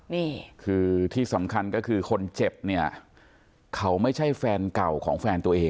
นี่คือที่สำคัญก็คือคนเจ็บเนี่ยเขาไม่ใช่แฟนเก่าของแฟนตัวเอง